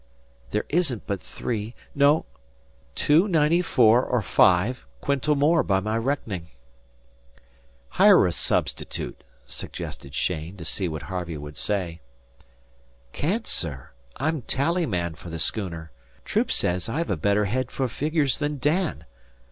"There isn't but three no two ninety four or five quintal more by my reckoning." "Hire a substitute," suggested Cheyne, to see what Harvey would say. "Can't, sir. I'm tally man for the schooner. Troop says I've a better head for figures than Dan.